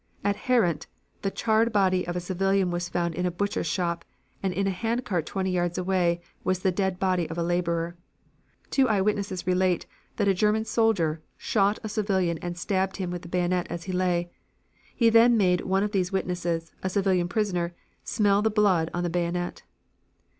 At Herent the charred body of a civilian was found in a butcher's shop, and in a handcart twenty yards away was the dead body of a laborer. Two eye witnesses relate that a German soldier shot a civilian and stabbed him with a bayonet as he lay. He then made one of these witnesses, a civilian prisoner, smell the blood on the bayonet.